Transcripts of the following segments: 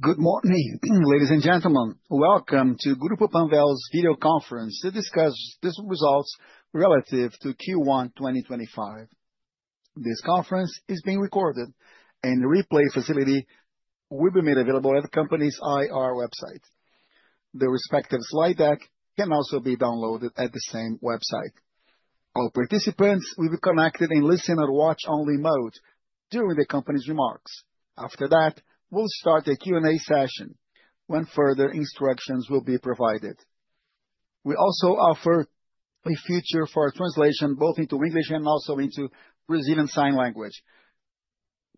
Good morning, ladies and gentlemen. Welcome to Grupo Palval's video conference to discuss business results relative to Q1 2025. This conference is being recorded, and the replay facility will be made available at the company's IR website. The respective slide deck can also be downloaded at the same website. All participants will be connected in listen or watch-only mode during the company's remarks. After that, we'll start a Q&A session when further instructions will be provided. We also offer a feature for translation both into English and also into Brazilian Sign Language.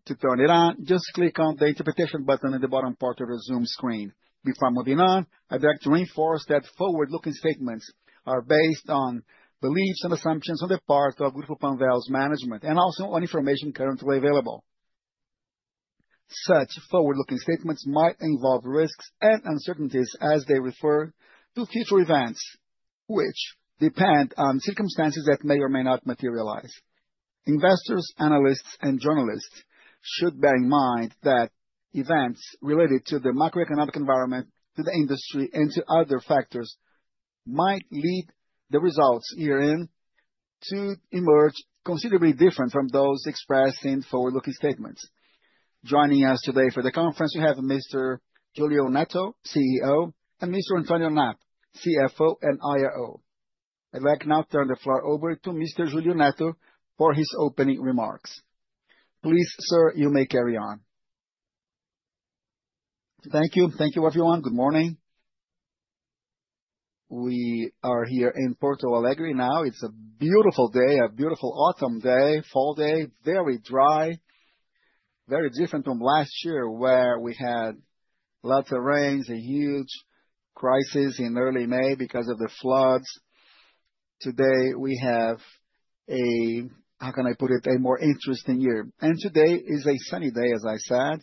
To turn it on, just click on the interpretation button in the bottom part of the Zoom screen. Before moving on, I'd like to reinforce that forward-looking statements are based on beliefs and assumptions on the part of Grupo Palval's management and also on information currently available. Such forward-looking statements might involve risks and uncertainties as they refer to future events which depend on circumstances that may or may not materialize. Investors, analysts, and journalists should bear in mind that events related to the macroeconomic environment, to the industry, and to other factors might lead the results year-end to emerge considerably different from those expressed in forward-looking statements. Joining us today for the conference, we have Mr. Julio Netto, CEO, and Mr. Antonio Knapp, CFO and IRO. I'd like now to turn the floor over to Mr. Julio Netto for his opening remarks. Please, sir, you may carry on. Thank you. Thank you, everyone. Good morning. We are here in Porto Alegre now. It's a beautiful day, a beautiful autumn day, fall day, very dry, very different from last year where we had lots of rains, a huge crisis in early May because of the floods. Today we have a, how can I put it, a more interesting year. Today is a sunny day, as I said.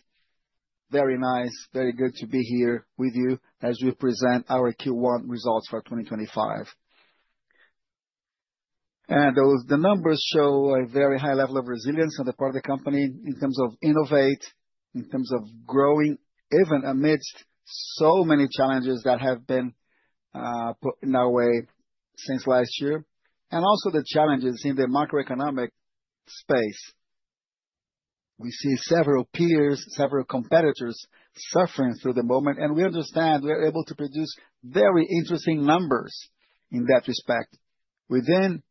Very nice, very good to be here with you as we present our Q1 results for 2025. The numbers show a very high level of resilience on the part of the company in terms of innovate, in terms of growing, even amidst so many challenges that have been put in our way since last year, and also the challenges in the macroeconomic space. We see several peers, several competitors suffering through the moment, and we understand we are able to produce very interesting numbers in that respect within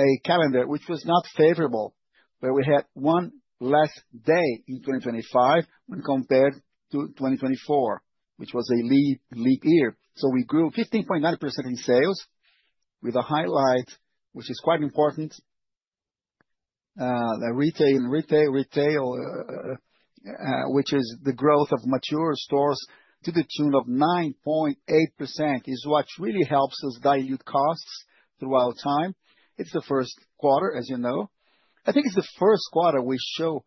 a calendar which was not favorable, where we had one less day in 2025 when compared to 2024, which was a leap year. We grew 15.9% in sales with a highlight, which is quite important, the retail, which is the growth of mature stores to the tune of 9.8% is what really helps us dilute costs throughout time. It is the first quarter, as you know. I think it is the first quarter we show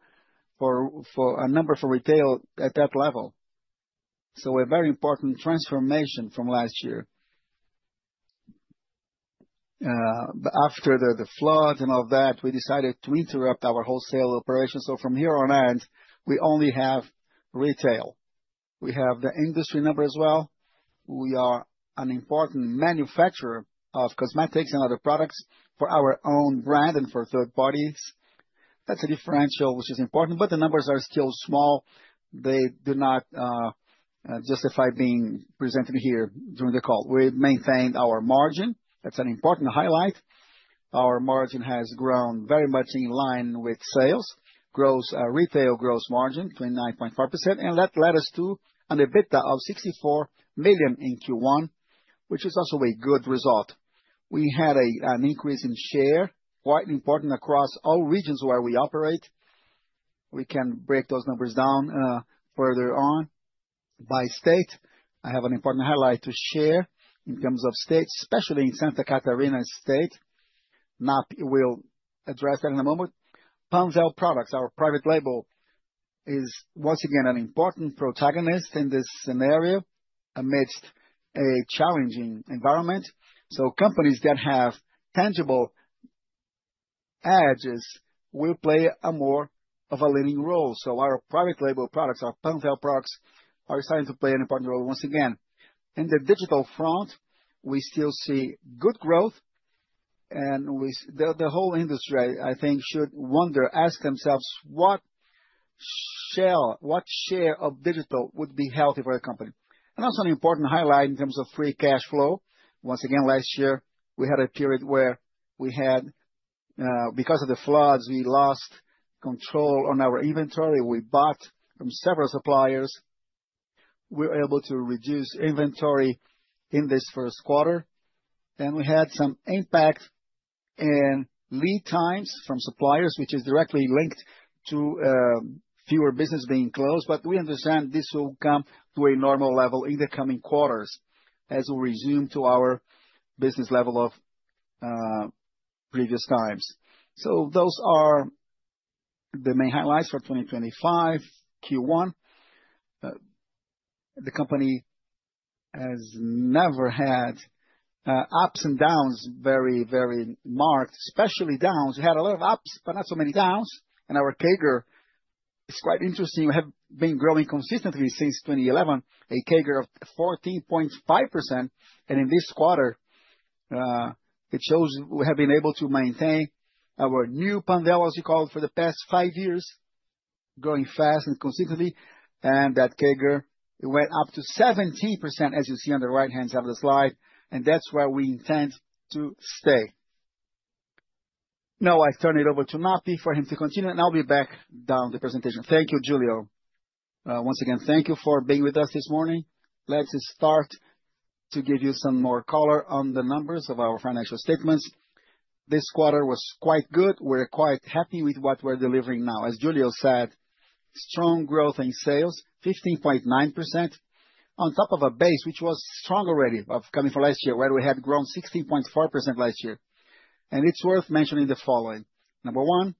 a number for retail at that level. A very important transformation from last year. After the flood and all that, we decided to interrupt our wholesale operations. From here on end, we only have retail. We have the industry number as well. We are an important manufacturer of cosmetics and other products for our own brand and for third parties. That is a differential which is important, but the numbers are still small. They do not justify being presented here during the call. We maintained our margin. That is an important highlight. Our margin has grown very much in line with sales, gross retail gross margin, 29.4%, and that led us to an EBITDA of 64 million in Q1, which is also a good result. We had an increase in share, quite important across all regions where we operate. We can break those numbers down further on by state. I have an important highlight to share in terms of states, especially in Santa Catarina State. Matt will address that in a moment. Palval Products, our private label, is once again an important protagonist in this scenario amidst a challenging environment. Companies that have tangible edges will play a more of a leading role. Our private label products, our Palval Products, are starting to play an important role once again. In the digital front, we still see good growth, and the whole industry, I think, should wonder, ask themselves, what share of digital would be healthy for the company? Also, an important highlight in terms of free cash flow. Once again, last year, we had a period where we had, because of the floods, we lost control on our inventory. We bought from several suppliers. We were able to reduce inventory in this first quarter, and we had some impact in lead times from suppliers, which is directly linked to fewer businesses being closed. We understand this will come to a normal level in the coming quarters as we resume to our business level of previous times. Those are the main highlights for 2025 Q1. The company has never had ups and downs very, very marked, especially downs. We had a lot of ups, but not so many downs. Our CAGR is quite interesting. We have been growing consistently since 2011, a CAGR of 14.5%. In this quarter, it shows we have been able to maintain our new Palval, as you call it, for the past five years, growing fast and consistently. That CAGR went up to 17%, as you see on the right-hand side of the slide. That is where we intend to stay. Now I turn it over to Matt for him to continue, and I'll be back down the presentation. Thank you, Julio. Once again, thank you for being with us this morning. Let's start to give you some more color on the numbers of our financial statements. This quarter was quite good. We're quite happy with what we're delivering now. As Julio said, strong growth in sales, 15.9%, on top of a base which was strong already coming from last year, where we had grown 16.4% last year. It is worth mentioning the following. Number one,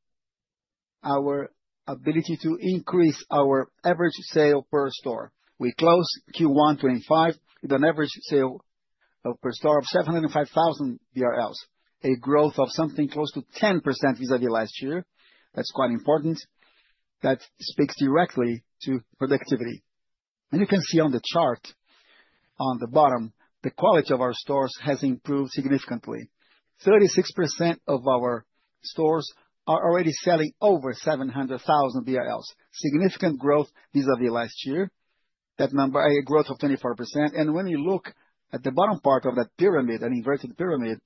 our ability to increase our average sale per store. We closed Q1 2025 with an average sale per store of 705,000 BRL, a growth of something close to 10% vis-à-vis last year. That is quite important. That speaks directly to productivity. You can see on the chart on the bottom, the quality of our stores has improved significantly. 36% of our stores are already selling over 700,000, significant growth vis-à-vis last year. That number, a growth of 24%. When you look at the bottom part of that pyramid, an inverted pyramid,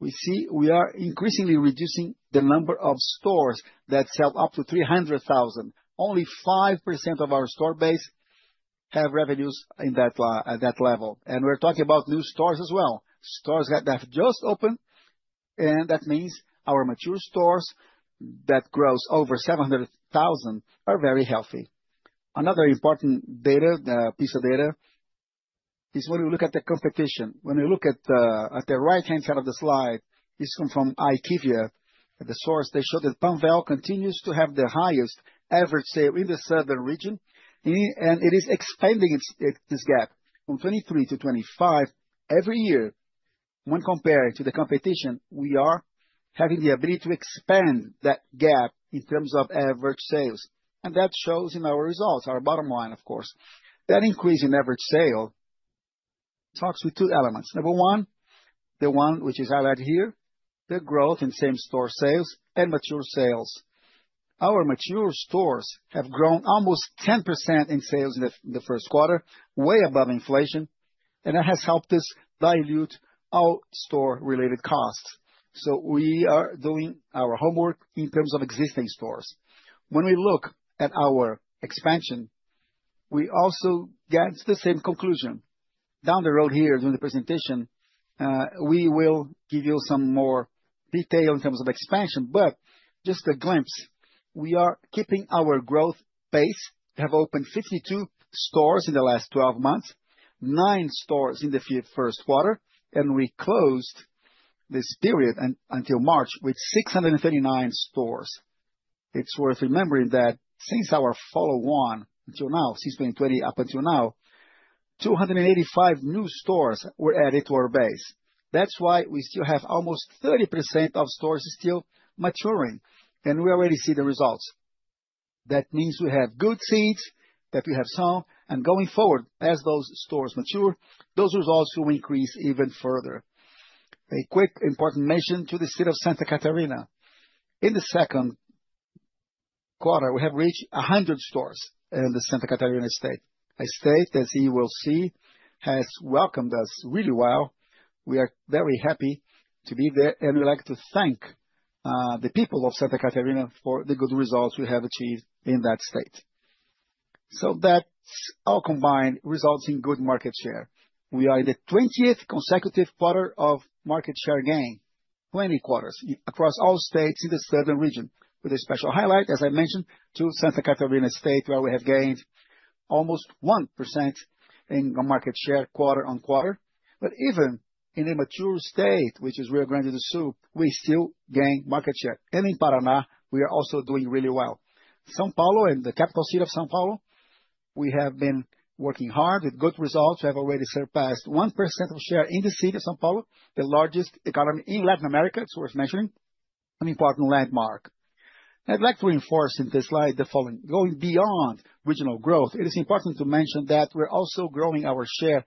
we see we are increasingly reducing the number of stores that sell up to 300,000. Only 5% of our store base have revenues at that level. We are talking about new stores as well. Stores that have just opened, and that means our mature stores that grow over 700,000 are very healthy. Another important piece of data is when you look at the competition. When you look at the right-hand side of the slide, this comes from IQVIA. The source, they show that Palval continues to have the highest average sale in the southern region, and it is expanding this gap from 2023 to 2025 every year. When compared to the competition, we are having the ability to expand that gap in terms of average sales. That shows in our results, our bottom line, of course. That increase in average sale talks with two elements. Number one, the one which is highlighted here, the growth in same-store sales and mature sales. Our mature stores have grown almost 10% in sales in the first quarter, way above inflation, and that has helped us dilute all store-related costs. We are doing our homework in terms of existing stores. When we look at our expansion, we also get the same conclusion. Down the road here, during the presentation, we will give you some more detail in terms of expansion, but just a glimpse. We are keeping our growth pace. We have opened 52 stores in the last 12 months, nine stores in the first quarter, and we closed this period until March with 639 stores. It is worth remembering that since our follow-on until now, since 2020 up until now, 285 new stores were added to our base. That is why we still have almost 30% of stores still maturing, and we already see the results. That means we have good seeds that we have sown, and going forward, as those stores mature, those results will increase even further. A quick important mention to the state of Santa Catarina. In the second quarter, we have reached 100 stores in Santa Catarina State. A state that, as you will see, has welcomed us really well. We are very happy to be there, and we would like to thank the people of Santa Catarina for the good results we have achieved in that state. That all combined results in good market share. We are in the 20th consecutive quarter of market share gain, 20 quarters across all states in the southern region, with a special highlight, as I mentioned, to Santa Catarina State, where we have gained almost 1% in market share quarter-on-quarter. Even in a mature state, which is Rio Grande do Sul, we still gain market share. In Paraná, we are also doing really well. São Paulo and the capital city of São Paulo, we have been working hard with good results. We have already surpassed 1% of share in the city of São Paulo, the largest economy in Latin America. It is worth mentioning, an important landmark. I would like to reinforce in this slide the following. Going beyond regional growth, it is important to mention that we are also growing our share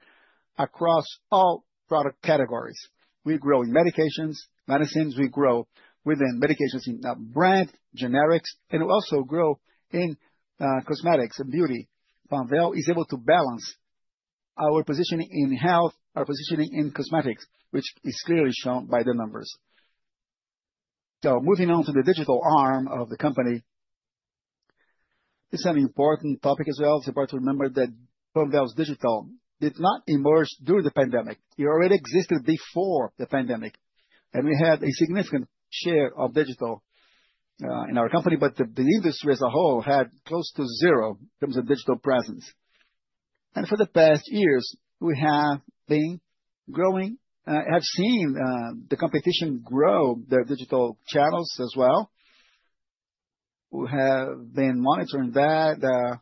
across all product categories. We grow in medications, medicines. We grow within medications in brand, generics, and we also grow in cosmetics and beauty. Palval is able to balance our positioning in health, our positioning in cosmetics, which is clearly shown by the numbers. Moving on to the digital arm of the company, this is an important topic as well. It's important to remember that Palval's digital did not emerge during the pandemic. It already existed before the pandemic, and we had a significant share of digital in our company, but the industry as a whole had close to zero in terms of digital presence. For the past years, we have been growing, have seen the competition grow their digital channels as well. We have been monitoring that.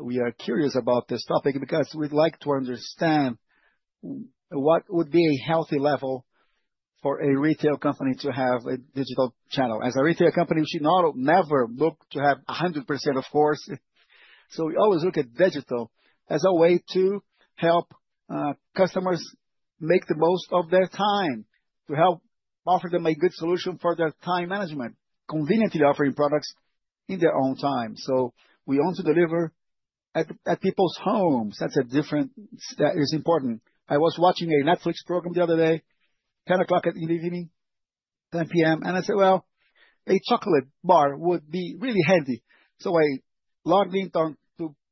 We are curious about this topic because we'd like to understand what would be a healthy level for a retail company to have a digital channel. As a retail company, we should never look to have 100%, of course. We always look at digital as a way to help customers make the most of their time, to help offer them a good solution for their time management, conveniently offering products in their own time. We want to deliver at people's homes. That is different and is important. I was watching a Netflix program the other day, 10:00 P.M., and I said, a chocolate bar would be really handy. I logged into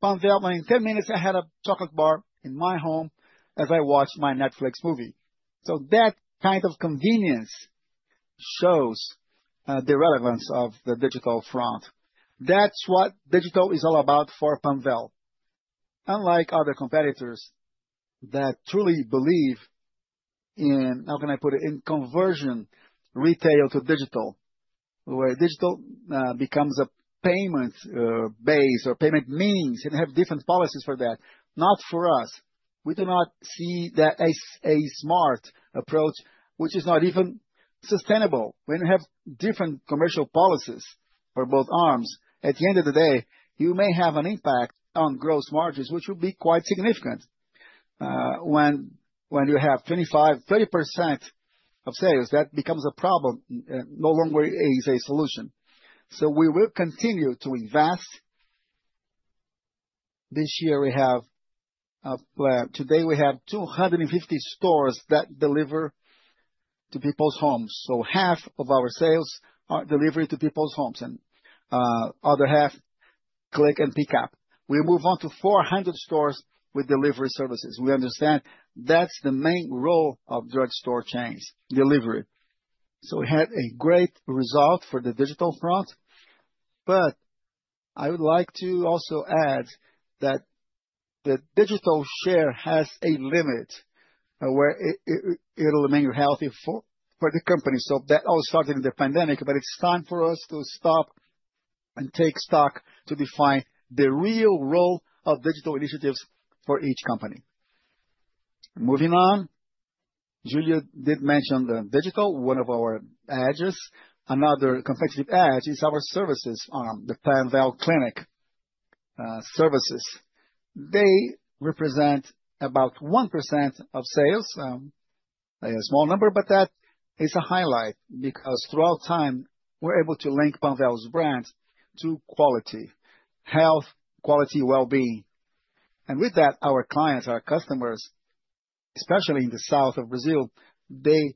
Palval and in 10 minutes, I had a chocolate bar in my home as I watched my Netflix movie. That kind of convenience shows the relevance of the digital front. That is what digital is all about for Palval. Unlike other competitors that truly believe in, how can I put it, in conversion retail to digital, where digital becomes a payment base or payment means and have different policies for that. Not for us. We do not see that as a smart approach, which is not even sustainable when you have different commercial policies for both arms. At the end of the day, you may have an impact on gross margins, which will be quite significant. When you have 25-30% of sales, that becomes a problem and no longer is a solution. We will continue to invest. This year, we have today, we have 250 stores that deliver to people's homes. Half of our sales are delivery to people's homes and the other half click and pick up. We move on to 400 stores with delivery services. We understand that is the main role of drugstore chains, delivery. We had a great result for the digital front, but I would like to also add that the digital share has a limit where it will remain healthy for the company. That all started in the pandemic, but it's time for us to stop and take stock to define the real role of digital initiatives for each company. Moving on, Julio did mention the digital, one of our edges. Another competitive edge is our services arm, the Palval Clinic services. They represent about 1% of sales, a small number, but that is a highlight because throughout time, we're able to link Palval's brand to quality, health, quality, well-being. With that, our clients, our customers, especially in the south of Brazil, they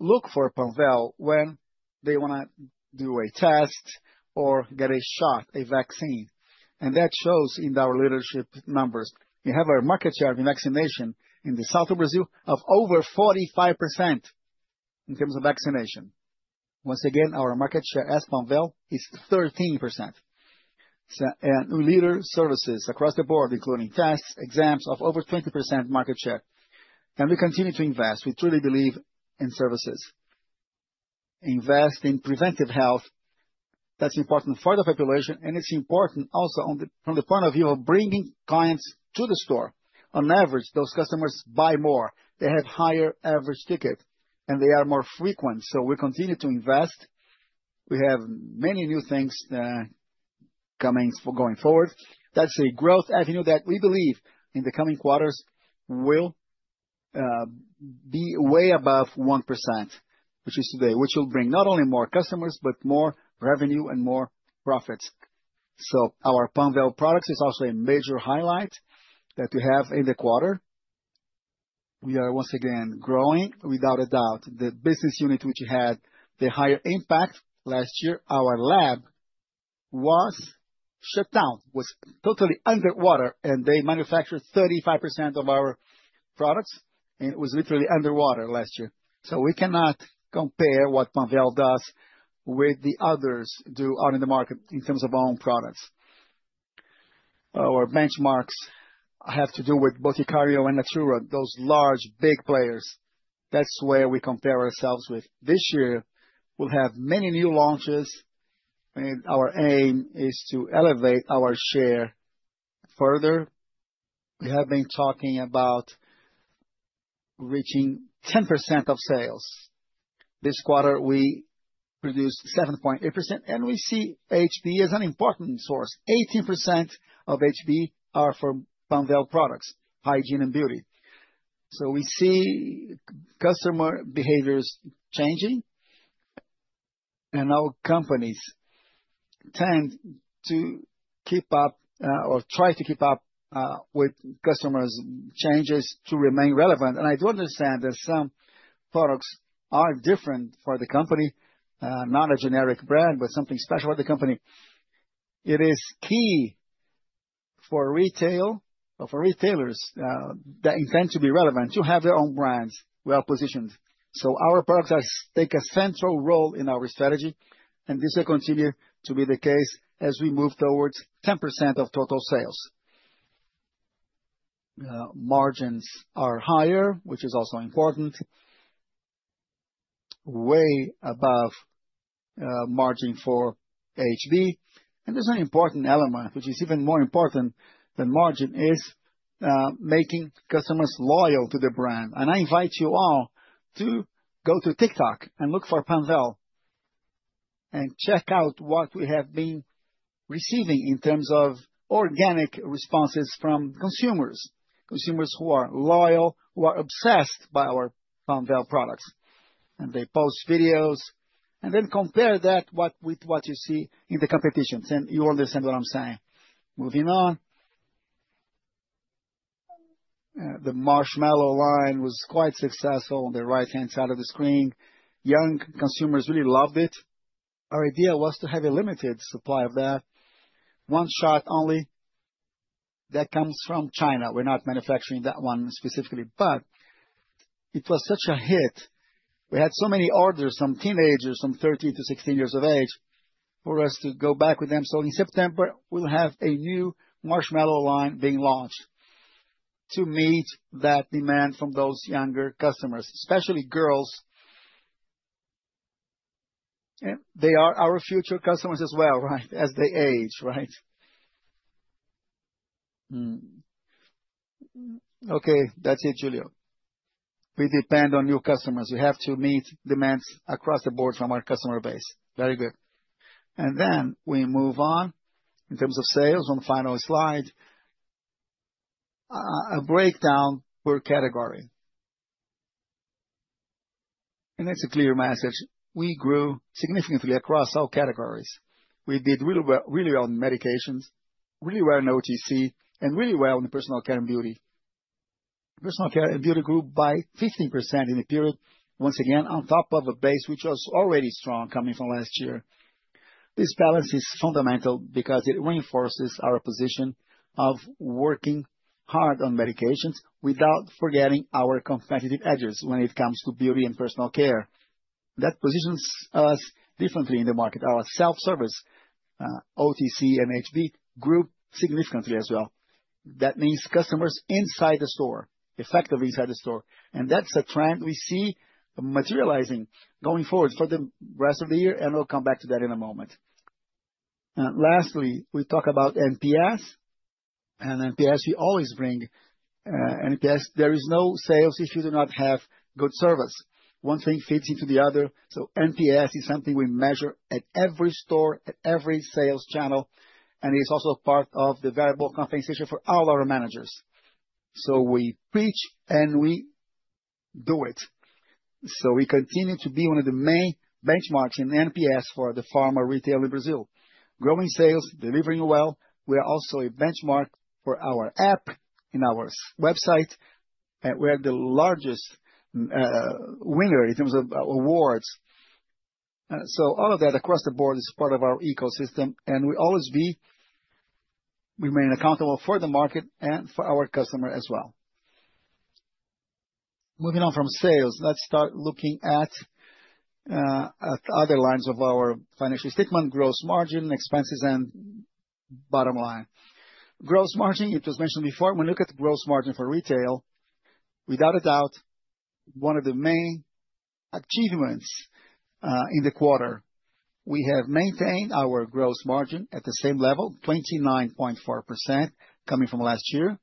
look for Palval when they want to do a test or get a shot, a vaccine. That shows in our leadership numbers. We have a market share of vaccination in the south of Brazil of over 45% in terms of vaccination. Once again, our market share as Palval is 13%. We lead services across the board, including tests, exams of over 20% market share. We continue to invest. We truly believe in services. Invest in preventive health. That is important for the population, and it is important also from the point of view of bringing clients to the store. On average, those customers buy more. They have higher average ticket, and they are more frequent. We continue to invest. We have many new things coming for going forward. That is a growth avenue that we believe in the coming quarters will be way above 1%, which is today, which will bring not only more customers, but more revenue and more profits. Our Palval Products is also a major highlight that we have in the quarter. We are once again growing, without a doubt. The business unit which had the higher impact last year, our lab was shut down, was totally underwater, and they manufactured 35% of our products, and it was literally underwater last year. We cannot compare what Palval does with what the others do out in the market in terms of our own products. Our benchmarks have to do with Boticário and Natura, those large big players. That is where we compare ourselves with. This year, we will have many new launches. Our aim is to elevate our share further. We have been talking about reaching 10% of sales. This quarter, we produced 7.8%, and we see HP as an important source. 18% of HP are for Palval Products, hygiene and beauty. We see customer behaviors changing, and our companies tend to keep up or try to keep up with customers' changes to remain relevant. I do understand that some products are different for the company, not a generic brand, but something special for the company. It is key for retail or for retailers that intend to be relevant to have their own brands well positioned. Our products take a central role in our strategy, and this will continue to be the case as we move towards 10% of total sales. Margins are higher, which is also important, way above margin for HP. There is an important element, which is even more important than margin, making customers loyal to the brand. I invite you all to go to TikTok and look for Palval and check out what we have been receiving in terms of organic responses from consumers, consumers who are loyal, who are obsessed by our Palval products. They post videos and then compare that with what you see in the competition, and you understand what I'm saying. Moving on. The Marshmallow line was quite successful on the right-hand side of the screen. Young consumers really loved it. Our idea was to have a limited supply of that, one shot only. That comes from China. We're not manufacturing that one specifically, but it was such a hit. We had so many orders from teenagers, from 13 to 16 years of age, for us to go back with them. In September, we'll have a new Marshmallow line being launched to meet that demand from those younger customers, especially girls. They are our future customers as well, right, as they age, right. Okay, that's it, Julio. We depend on new customers. We have to meet demands across the board from our customer base. Very good. We move on in terms of sales on the final slide, a breakdown per category. That's a clear message. We grew significantly across all categories. We did really well in medications, really well in OTC, and really well in personal care and beauty. Personal care and beauty grew by 15% in the period, once again, on top of a base which was already strong coming from last year. This balance is fundamental because it reinforces our position of working hard on medications without forgetting our competitive edges when it comes to beauty and personal care. That positions us differently in the market. Our self-service OTC and HP grew significantly as well. That means customers inside the store, effectively inside the store. That is a trend we see materializing going forward for the rest of the year, and we will come back to that in a moment. Lastly, we talk about NPS. NPS, we always bring NPS. There is no sales if you do not have good service. One thing fits into the other. NPS is something we measure at every store, at every sales channel, and it is also part of the variable compensation for all our managers. We preach and we do it. We continue to be one of the main benchmarks in NPS for the pharma retail in Brazil. Growing sales, delivering well, we are also a benchmark for our app, in our website, and we are the largest winner in terms of awards. All of that across the board is part of our ecosystem, and we always remain accountable for the market and for our customer as well. Moving on from sales, let's start looking at other lines of our financial statement, gross margin, expenses, and bottom line. Gross margin, it was mentioned before. When we look at the gross margin for retail, without a doubt, one of the main achievements in the quarter, we have maintained our gross margin at the same level, 29.4% coming from last year.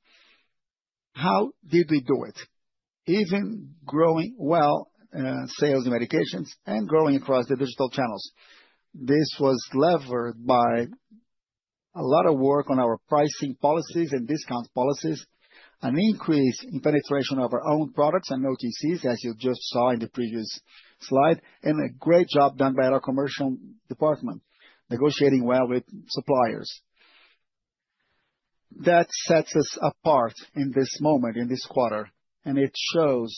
How did we do it? Even growing well, sales and medications, and growing across the digital channels. This was levered by a lot of work on our pricing policies and discount policies, an increase in penetration of our own products and OTCs, as you just saw in the previous slide, and a great job done by our commercial department, negotiating well with suppliers. That sets us apart in this moment, in this quarter, and it shows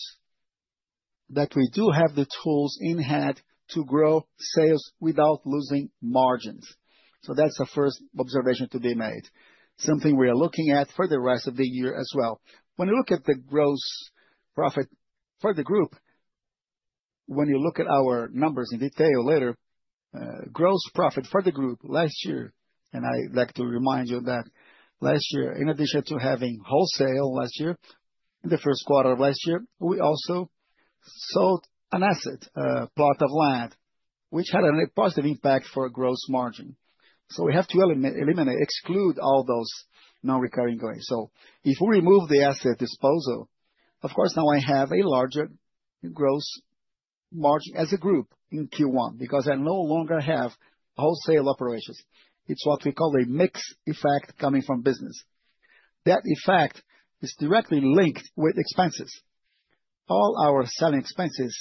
that we do have the tools in hand to grow sales without losing margins. That is the first observation to be made, something we are looking at for the rest of the year as well. When you look at the gross profit for the group, when you look at our numbers in detail later, gross profit for the group last year, and I'd like to remind you of that last year, in addition to having wholesale last year, in the first quarter of last year, we also sold an asset, a plot of land, which had a positive impact for gross margin. We have to eliminate, exclude all those non-recurring goings. If we remove the asset disposal, of course, now I have a larger gross margin as a group in Q1 because I no longer have wholesale operations. It is what we call a mixed effect coming from business. That effect is directly linked with expenses. All our selling expenses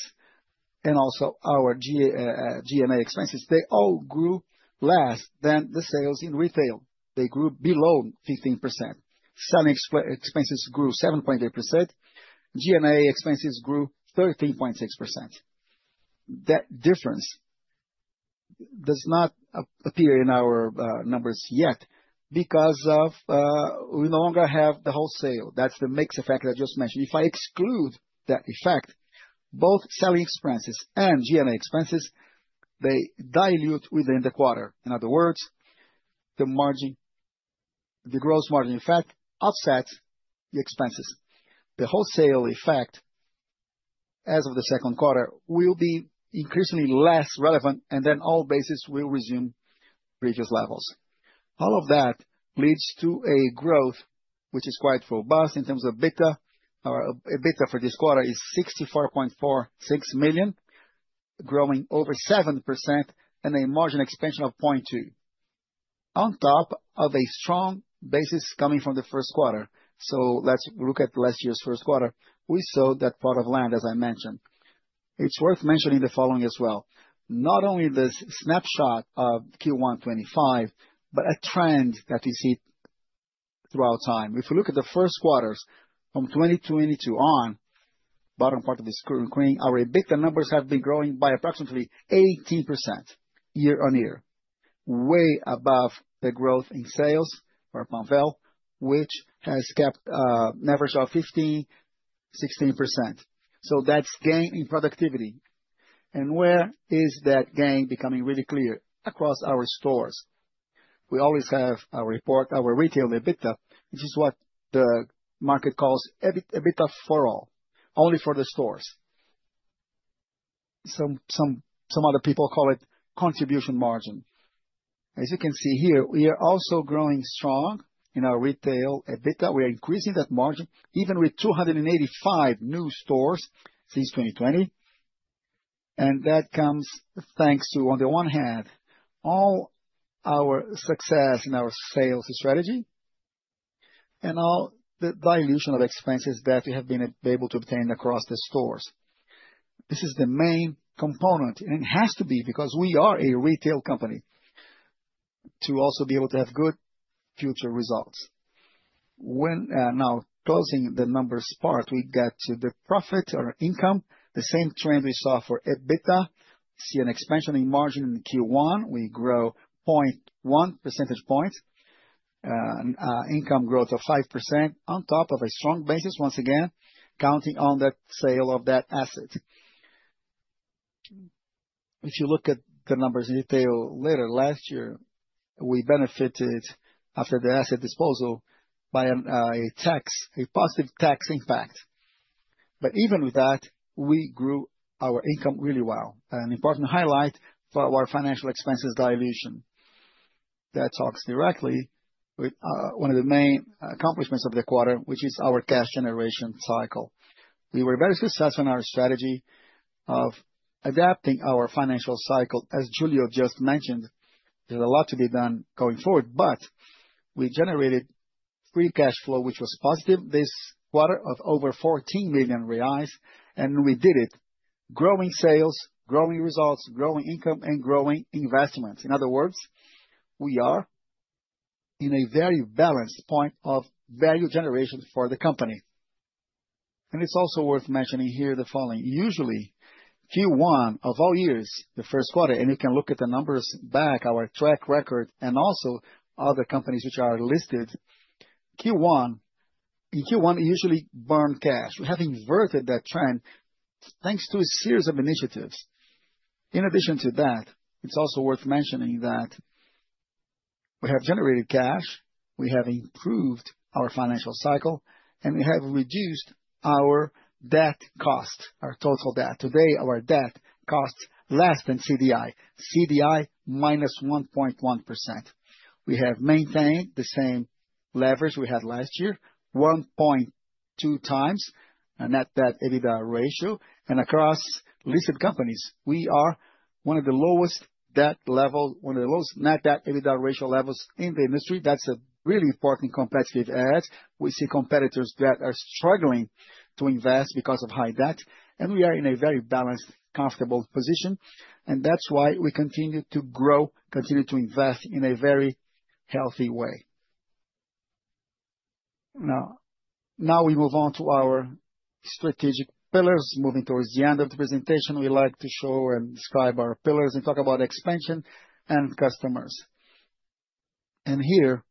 and also our GMA expenses, they all grew less than the sales in retail. They grew below 15%. Selling expenses grew 7.8%. GMA expenses grew 13.6%. That difference does not appear in our numbers yet because we no longer have the wholesale. That is the mixed effect I just mentioned. If I exclude that effect, both selling expenses and GMA expenses, they dilute within the quarter. In other words, the margin, the gross margin effect offsets the expenses. The wholesale effect as of the second quarter will be increasingly less relevant, and then all bases will resume previous levels. All of that leads to a growth which is quite robust in terms of EBITDA. Our EBITDA for this quarter is 64.46 million, growing over 7% and a margin expansion of 0.2 percentage points, on top of a strong basis coming from the first quarter. Let's look at last year's first quarter. We sold that plot of land, as I mentioned. It is worth mentioning the following as well. Not only this snapshot of Q1 2025, but a trend that you see throughout time. If we look at the first quarters from 2022 on, bottom part of the screen are a bit. The numbers have been growing by approximately 18% year-on-year, way above the growth in sales for Palval, which has kept an average of 15%-16%. That is gain in productivity. Where is that gain becoming really clear across our stores? We always have our report, our retail EBITDA, which is what the market calls EBITDA for all, only for the stores. Some other people call it contribution margin. As you can see here, we are also growing strong in our retail EBITDA. We are increasing that margin even with 285 new stores since 2020. That comes thanks to, on the one hand, all our success in our sales strategy and all the dilution of expenses that we have been able to obtain across the stores. This is the main component, and it has to be because we are a retail company to also be able to have good future results. Now, closing the numbers part, we get to the profit or income, the same trend we saw for EBITDA. See an expansion in margin in Q1. We grow 0.1 percentage points, income growth of 5% on top of a strong basis, once again, counting on that sale of that asset. If you look at the numbers in detail later, last year, we benefited after the asset disposal by a tax, a positive tax impact. Even with that, we grew our income really well. An important highlight for our financial expenses dilution. That talks directly with one of the main accomplishments of the quarter, which is our cash generation cycle. We were very successful in our strategy of adapting our financial cycle. As Julio just mentioned, there's a lot to be done going forward, but we generated free cash flow, which was positive this quarter of over 14 million reais, and we did it. Growing sales, growing results, growing income, and growing investments. In other words, we are in a very balanced point of value generation for the company. It is also worth mentioning here the following. Usually, Q1 of all years, the first quarter, and you can look at the numbers back, our track record, and also other companies which are listed. In Q1, we usually burn cash. We have inverted that trend thanks to a series of initiatives. In addition to that, it's also worth mentioning that we have generated cash, we have improved our financial cycle, and we have reduced our debt cost, our total debt. Today, our debt costs less than CDI, CDI minus 1.1%. We have maintained the same leverage we had last year, 1.2 times net debt EBITDA ratio. Across listed companies, we are one of the lowest debt levels, one of the lowest net debt EBITDA ratio levels in the industry. That's a really important competitive edge. We see competitors that are struggling to invest because of high debt, and we are in a very balanced, comfortable position. That's why we continue to grow, continue to invest in a very healthy way. Now we move on to our strategic pillars. Moving towards the end of the presentation, we like to show and describe our pillars and talk about expansion and customers. Here,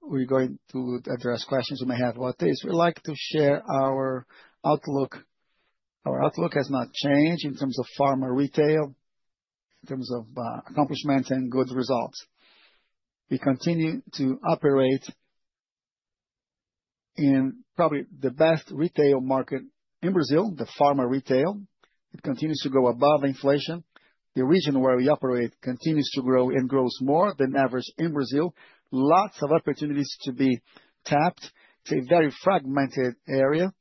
we're going to address questions you may have about this. We like to share our outlook. Our outlook has not changed in terms of pharma retail, in terms of accomplishments and good results. We continue to operate in probably the best retail market in Brazil, the pharma retail. It continues to go above inflation. The region where we operate continues to grow and grows more than average in Brazil. Lots of opportunities to be tapped. It's a very fragmented area.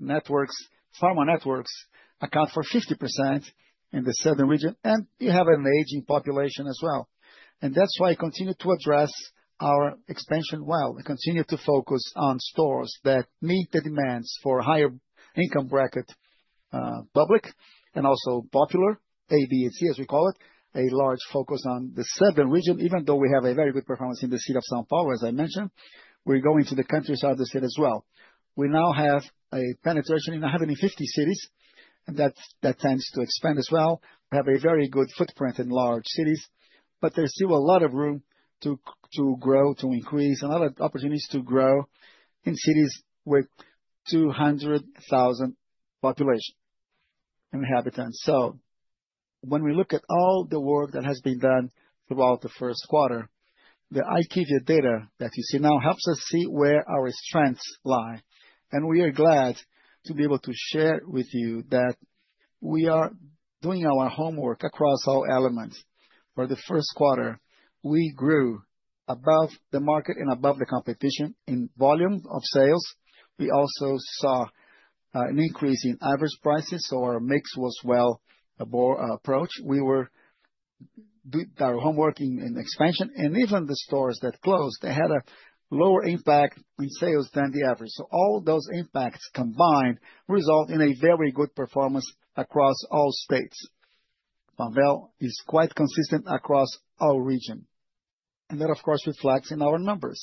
Pharma networks account for 50% in the southern region, and you have an aging population as well. That's why I continue to address our expansion well. We continue to focus on stores that meet the demands for higher income bracket public and also popular, ABC, as we call it, a large focus on the southern region, even though we have a very good performance in the city of São Paulo, as I mentioned. We are going to the countryside of the city as well. We now have a penetration in 150 cities, and that tends to expand as well. We have a very good footprint in large cities, but there is still a lot of room to grow, to increase, a lot of opportunities to grow in cities with 200,000 population inhabitants. When we look at all the work that has been done throughout the first quarter, the IQVIA data that you see now helps us see where our strengths lie. We are glad to be able to share with you that we are doing our homework across all elements. For the first quarter, we grew above the market and above the competition in volume of sales. We also saw an increase in average prices, so our mix was well above approach. We were doing our homework in expansion, and even the stores that closed had a lower impact in sales than the average. All those impacts combined result in a very good performance across all states. Palval is quite consistent across our region, and that, of course, reflects in our numbers.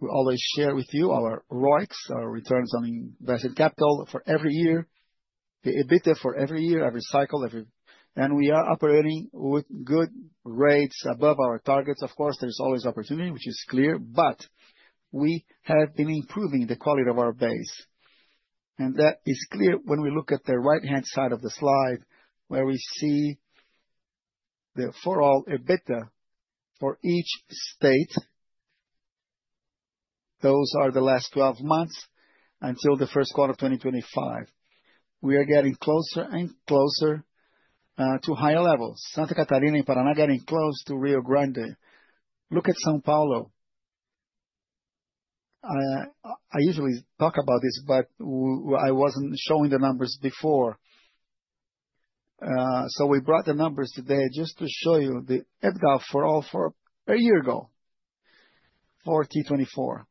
We always share with you our ROIC, our returns on invested capital for every year, the EBITDA for every year, every cycle, every year. We are operating with good rates above our targets. Of course, there's always opportunity, which is clear, but we have been improving the quality of our base. That is clear when we look at the right-hand side of the slide, where we see the for all EBITDA for each state. Those are the last 12 months until the first quarter of 2025. We are getting closer and closer to higher levels. Santa Catarina in Paraná is getting close to Rio Grande. Look at São Paulo. I usually talk about this, but I wasn't showing the numbers before. We brought the numbers today just to show you the EBITDA for all for a year ago, 2024,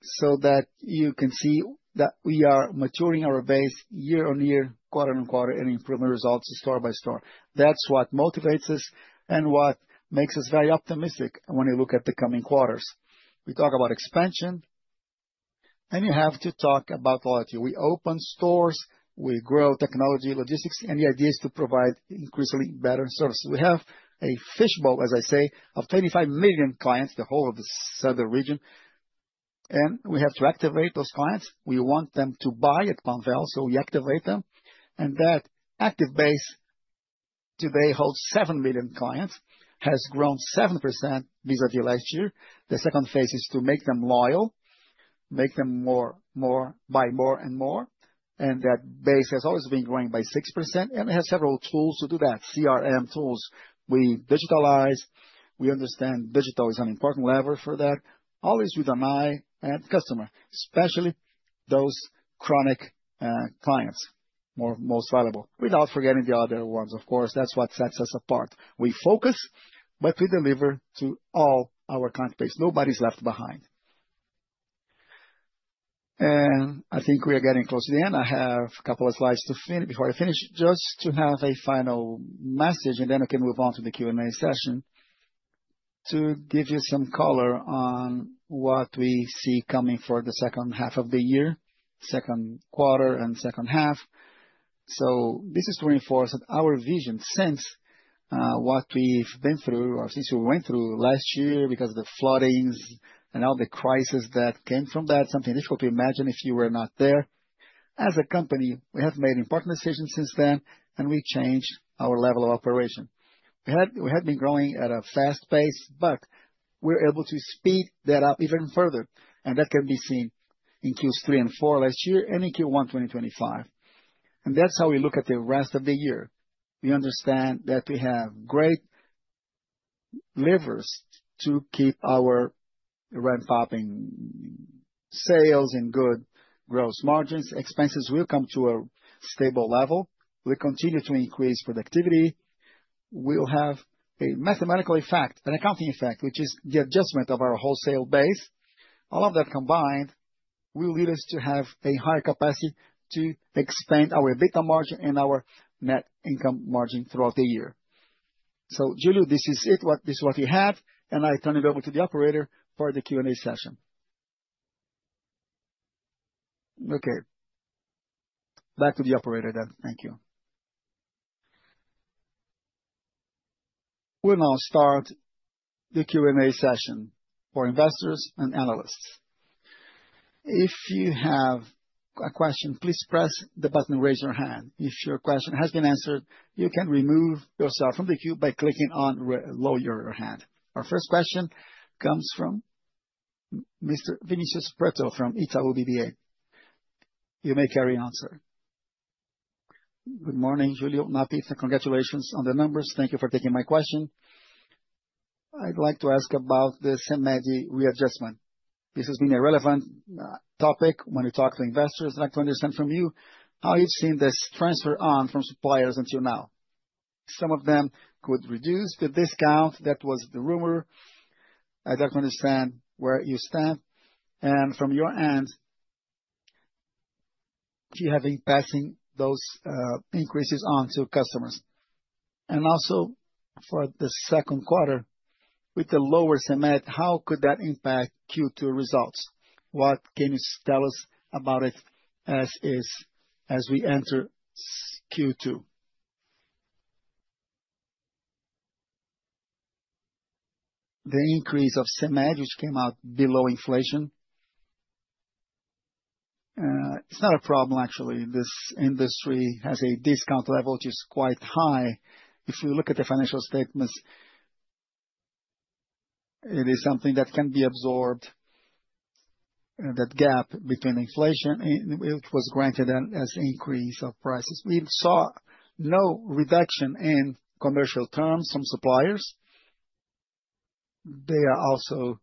so that you can see that we are maturing our base year-on-year, quarter-on-quarter, and improving results store by store. That's what motivates us and what makes us very optimistic when you look at the coming quarters. We talk about expansion, and you have to talk about loyalty. We open stores, we grow technology, logistics, and the idea is to provide increasingly better services. We have a fishbowl, as I say, of 25 million clients, the whole of the southern region, and we have to activate those clients. We want them to buy at Palval, so we activate them. That active base today holds 7 million clients, has grown 7% vis-à-vis last year. The second phase is to make them loyal, make them buy more and more. That base has always been growing by 6%, and they have several tools to do that, CRM tools. We digitalize. We understand digital is an important lever for that, always with an eye at the customer, especially those chronic clients, most valuable, without forgetting the other ones, of course. That is what sets us apart. We focus, but we deliver to all our client base. Nobody's left behind. I think we are getting close to the end. I have a couple of slides to finish before I finish, just to have a final message, and then I can move on to the Q&A session to give you some color on what we see coming for the second half of the year, second quarter, and second half. This is to reinforce our vision since what we've been through or since we went through last year because of the floodings and all the crisis that came from that, something difficult to imagine if you were not there. As a company, we have made important decisions since then, and we changed our level of operation. We had been growing at a fast pace, but we're able to speed that up even further, and that can be seen in Q3 and Q4 last year and in Q1 2025. That is how we look at the rest of the year. We understand that we have great levers to keep our ramp-up in sales and good gross margins. Expenses will come to a stable level. We'll continue to increase productivity. We'll have a mathematical effect, an accounting effect, which is the adjustment of our wholesale base. All of that combined will lead us to have a higher capacity to expand our EBITDA margin and our net income margin throughout the year. Julio, this is it. This is what we have, and I turn it over to the operator for the Q&A session. Okay, back to the operator then. Thank you. We'll now start the Q&A session for investors and analysts. If you have a question, please press the button and raise your hand. If your question has been answered, you can remove yourself from the queue by clicking on "Lower Your Hand." Our first question comes from Mr. Vinicius Preto from Itaú BBA. You may carry on, sir. Good morning, Julio Netto. Congratulations on the numbers. Thank you for taking my question. I'd like to ask about the CMED readjustment. This has been a relevant topic when you talk to investors. I'd like to understand from you how you've seen this transfer on from suppliers until now. Some of them could reduce the discount. That was the rumor. I'd like to understand where you stand and from your end if you have been passing those increases on to customers. Also for the second quarter, with the lower CMED, how could that impact Q2 results? What can you tell us about it as we enter Q2? The increase of CMED, which came out below inflation, it is not a problem, actually. This industry has a discount level, which is quite high. If we look at the financial statements, it is something that can be absorbed, that gap between inflation, which was granted as an increase of prices. We saw no reduction in commercial terms from suppliers. They are also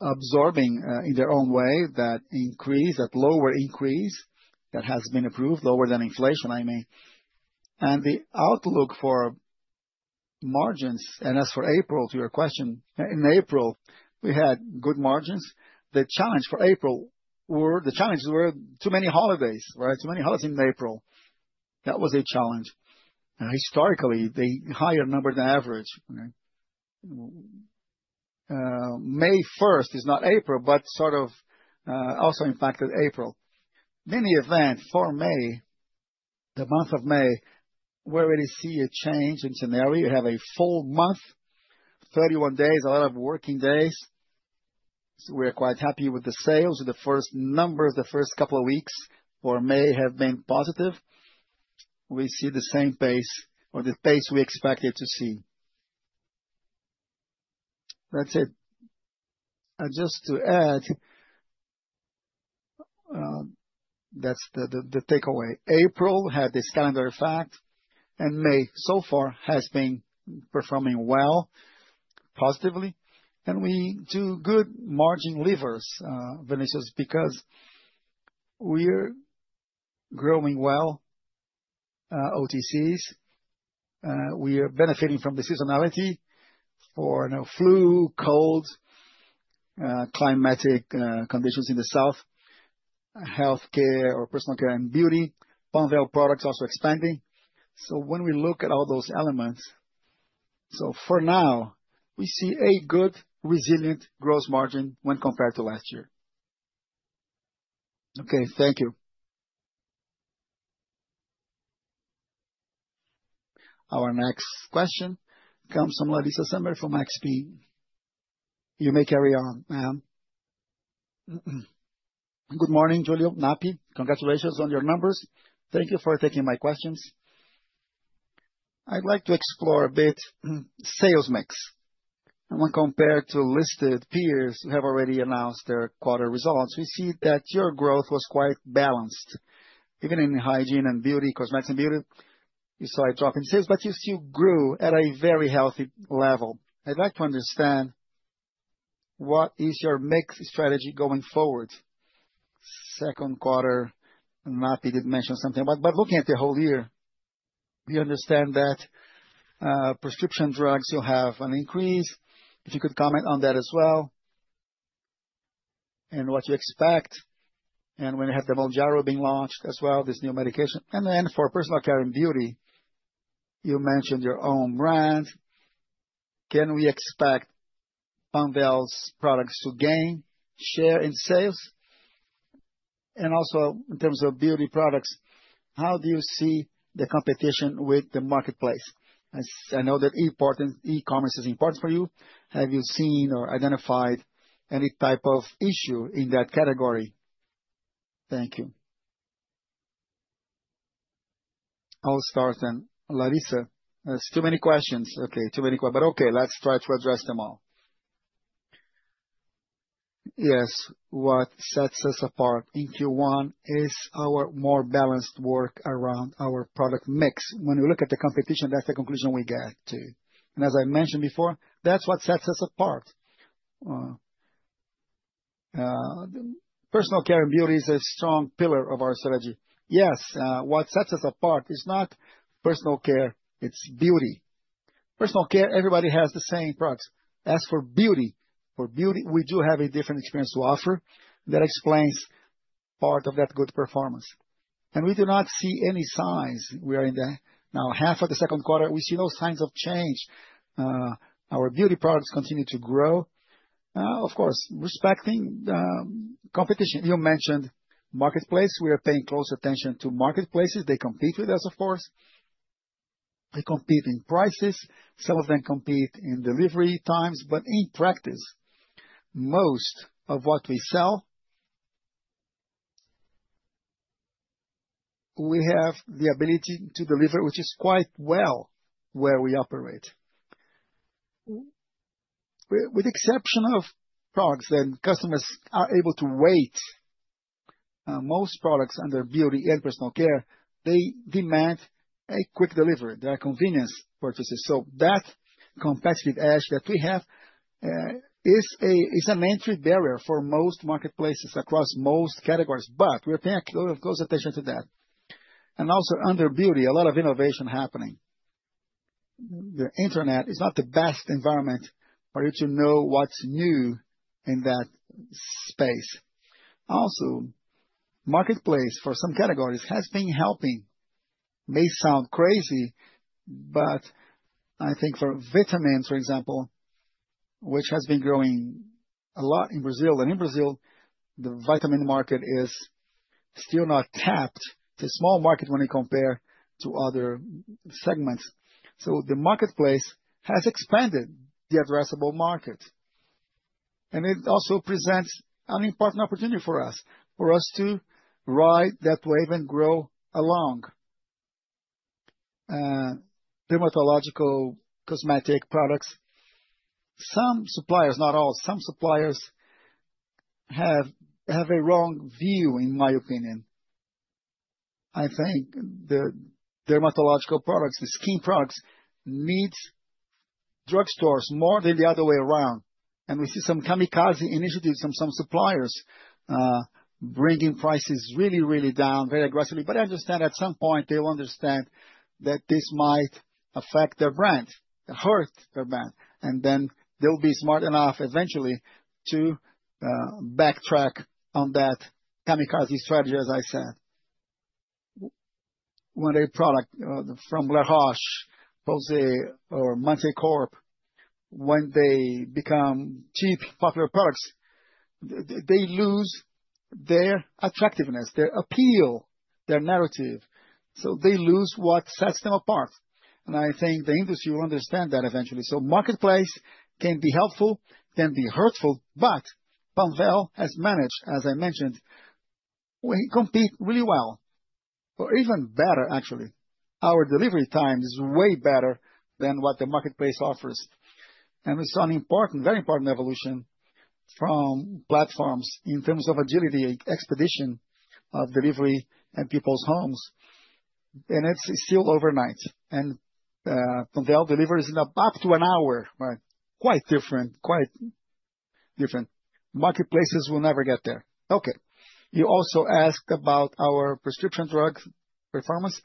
absorbing in their own way that increase, that lower increase that has been approved, lower than inflation, I mean. The outlook for margins, and as for April, to your question, in April, we had good margins. The challenge for April were, the challenges were too many holidays, right. Too many holidays in April. That was a challenge. Historically, the higher number than average. May 1st is not April, but sort of also impacted April. In any event, for May, the month of May, where we see a change in scenario, you have a full month, 31 days, a lot of working days. We are quite happy with the sales. The first numbers, the first couple of weeks for May have been positive. We see the same pace or the pace we expected to see. That is it. Just to add, that is the takeaway. April had this calendar effect, and May so far has been performing well, positively. We do good margin levers, Vinicius, because we are growing well, OTCs. We are benefiting from the seasonality for flu, cold, climatic conditions in the south, healthcare or personal care and beauty, Palval products also expanding. When we look at all those elements, for now, we see a good resilient gross margin when compared to last year. Okay, thank you. Our next question comes from Larissa Sumer from XP. You may carry on, ma'am. Good morning, Julio Netto. Congratulations on your numbers. Thank you for taking my questions. I'd like to explore a bit sales mix. When compared to listed peers who have already announced their quarter results, we see that your growth was quite balanced, even in hygiene and beauty, cosmetics and beauty. You saw a drop in sales, but you still grew at a very healthy level. I'd like to understand what is your mix strategy going forward. Second quarter, Netto did mention something about, but looking at the whole year, we understand that prescription drugs you'll have an increase. If you could comment on that as well and what you expect, and when you have the Mounjaro being launched as well, this new medication. For personal care and beauty, you mentioned your own brand. Can we expect Palval Products to gain share in sales? Also, in terms of beauty products, how do you see the competition with the marketplace? I know that e-commerce is important for you. Have you seen or identified any type of issue in that category? Thank you. I'll start then. Larissa, there's too many questions. Okay, too many questions, but okay, let's try to address them all. Yes, what sets us apart in Q1 is our more balanced work around our product mix. When we look at the competition, that's the conclusion we get to. As I mentioned before, that's what sets us apart. Personal care and beauty is a strong pillar of our strategy. Yes, what sets us apart is not personal care, it is beauty. Personal care, everybody has the same products. As for beauty, for beauty, we do have a different experience to offer that explains part of that good performance. We do not see any signs. We are in the now half of the second quarter. We see no signs of change. Our beauty products continue to grow, of course, respecting competition. You mentioned marketplace. We are paying close attention to marketplaces. They compete with us, of course. They compete in prices. Some of them compete in delivery times, but in practice, most of what we sell, we have the ability to deliver, which is quite well where we operate. With the exception of products that customers are able to wait, most products under beauty and personal care, they demand a quick delivery. They are convenience purchases. That competitive edge that we have is an entry barrier for most marketplaces across most categories. We are paying close attention to that. Also under beauty, a lot of innovation happening. The internet is not the best environment for you to know what's new in that space. Also, marketplace for some categories has been helping. May sound crazy, but I think for vitamins, for example, which has been growing a lot in Brazil, and in Brazil, the vitamin market is still not tapped. It's a small market when you compare to other segments. The marketplace has expanded the addressable market. It also presents an important opportunity for us, for us to ride that wave and grow along. Dermatological cosmetic products, some suppliers, not all, some suppliers have a wrong view, in my opinion. I think the dermatological products, the skin products need drugstores more than the other way around. We see some kamikaze initiatives from some suppliers bringing prices really, really down very aggressively. I understand at some point they will understand that this might affect their brand, hurt their brand. They will be smart enough eventually to backtrack on that kamikaze strategy, as I said. When a product from La Roche-Posay or Monsieur Corp, when they become cheap, popular products, they lose their attractiveness, their appeal, their narrative. They lose what sets them apart. I think the industry will understand that eventually. Marketplace can be helpful, can be hurtful, but Palval has managed, as I mentioned, we compete really well, or even better, actually. Our delivery time is way better than what the marketplace offers. We saw an important, very important evolution from platforms in terms of agility, expedition of delivery, and people's homes. It is still overnight. Palval delivers in up to an hour, right. Quite different, quite different. Marketplaces will never get there. You also asked about our prescription drug performance.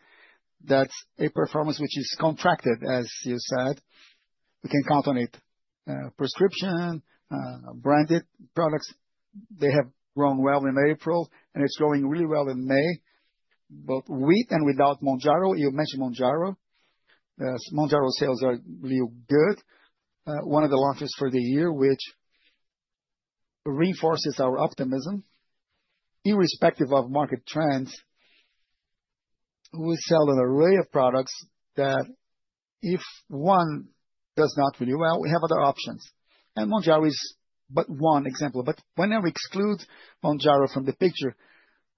That is a performance which is contracted, as you said. We can count on it. Prescription, branded products, they have grown well in April, and it is growing really well in May. With and without Mounjaro, you mentioned Mounjaro. Mounjaro sales are really good. One of the launches for the year, which reinforces our optimism irrespective of market trends. We sell an array of products that if one does not really well, we have other options. Mounjaro is but one example. Whenever we exclude Mounjaro from the picture,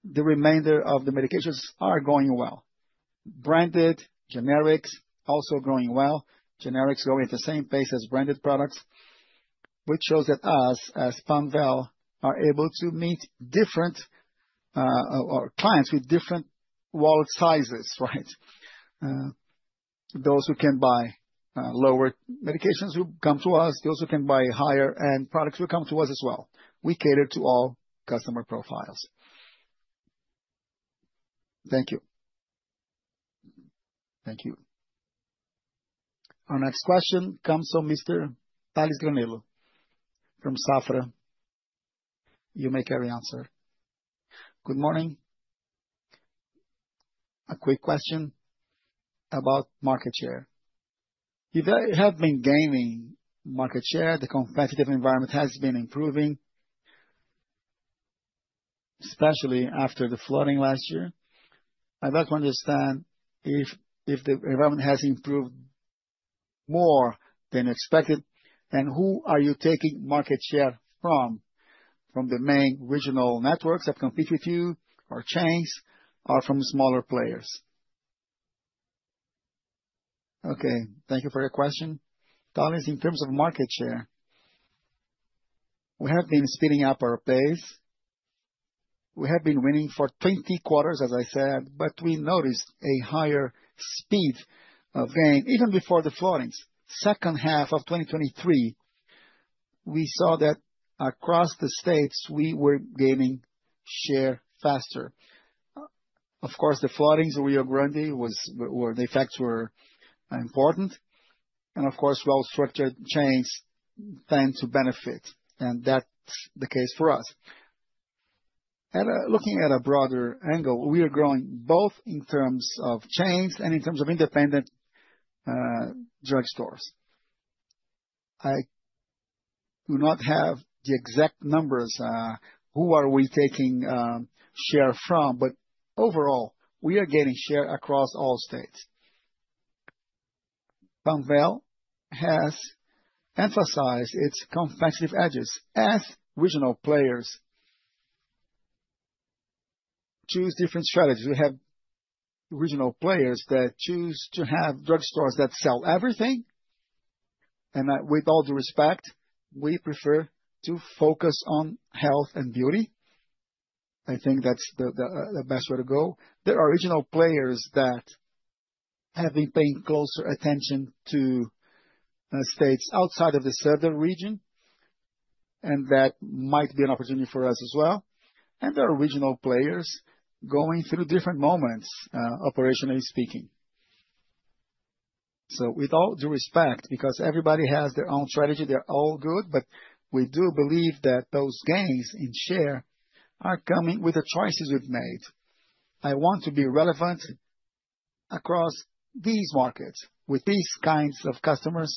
the remainder of the medications are going well. Branded generics also growing well. Generics going at the same pace as branded products, which shows that us as Palval are able to meet different clients with different wallet sizes, right. Those who can buy lower medications will come to us. Those who can buy higher-end products will come to us as well. We cater to all customer profiles. Thank you. Thank you. Our next question comes from Mr. Thales Granello from Safra. You may carry on, sir. Good morning. A quick question about market share. You have been gaining market share. The competitive environment has been improving, especially after the flooding last year. I would like to understand if the environment has improved more than expected. Who are you taking market share from? From the main regional networks that compete with you or chains or from smaller players? Okay. Thank you for your question. Thales, in terms of market share, we have been speeding up our pace. We have been winning for 20 quarters, as I said, but we noticed a higher speed of gain even before the floodings. Second half of 2023, we saw that across the states, we were gaining share faster. Of course, the floodings were in Rio Grande do Sul where the effects were important. Of course, well-structured chains tend to benefit. That is the case for us. Looking at a broader angle, we are growing both in terms of chains and in terms of independent drug stores. I do not have the exact numbers who are we taking share from, but overall, we are getting share across all states. Palval has emphasized its competitive edges as regional players choose different strategies. We have regional players that choose to have drug stores that sell everything. With all due respect, we prefer to focus on health and beauty. I think that's the best way to go. There are regional players that have been paying closer attention to states outside of the southern region, and that might be an opportunity for us as well. There are regional players going through different moments, operationally speaking. With all due respect, because everybody has their own strategy, they're all good, but we do believe that those gains in share are coming with the choices we've made. I want to be relevant across these markets with these kinds of customers,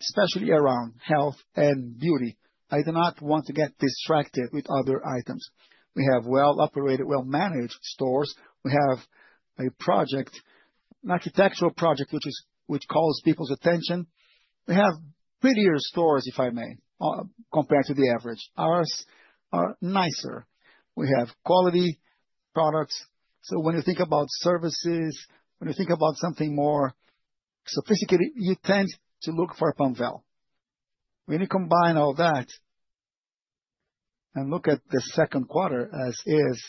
especially around health and beauty. I do not want to get distracted with other items. We have well-operated, well-managed stores. We have a project, an architectural project, which calls people's attention. We have prettier stores, if I may, compared to the average. Ours are nicer. We have quality products. So when you think about services, when you think about something more sophisticated, you tend to look for Palval. When you combine all that and look at the second quarter as is,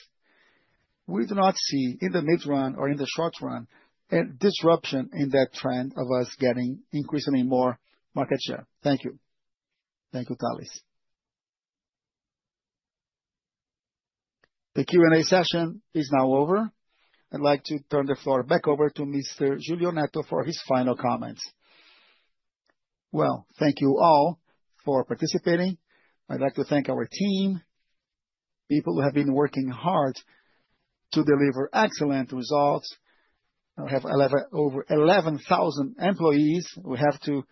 we do not see in the mid-run or in the short run a disruption in that trend of us getting increasingly more market share. Thank you. Thank you, Thales. The Q&A session is now over. I would like to turn the floor back over to Mr. Julio Netto for his final comments. Thank you all for participating. I would like to thank our team, people who have been working hard to deliver excellent results. We have over 11,000 employees. We have to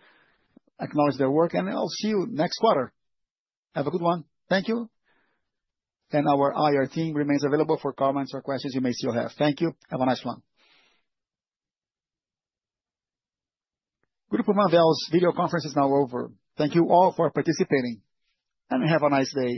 acknowledge their work. I'll see you next quarter. Have a good one. Thank you. Our IR team remains available for comments or questions you may still have. Thank you. Have a nice one. Grupo Palval's video conference is now over. Thank you all for participating. Have a nice day.